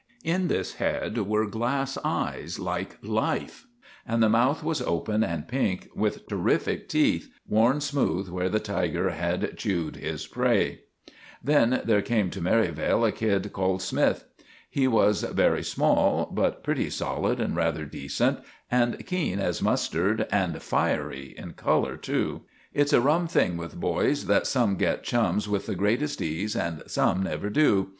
In this head were glass eyes, like life, and the mouth was open and pink, with terrific teeth—worn smooth where the tiger had chewed his prey. [Illustration: FRECKLES OFTEN WENT TO LOOK AT IT IN THE DOCTOR'S STUDY.] Then there came to Merivale a kid called Smythe. He was very small, but pretty solid and rather decent, and keen as mustard, and fiery in colour too. It's a rum thing with boys, that some get chums with the greatest ease and some never do.